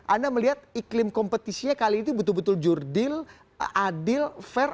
anda melihat iklim kompetisinya kali ini betul betul jurdil adil fair